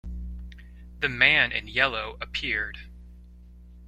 The man in yellow appeared.